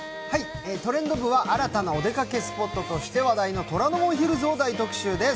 「トレンド部」は新たなお出かけスポットとして大人気の虎ノ門ヒルズを大特集です。